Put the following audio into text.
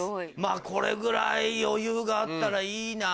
これぐらい余裕があったらいいな。